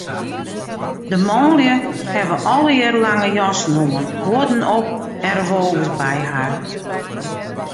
De manlju hawwe allegearre lange jassen oan, huodden op en revolvers by har.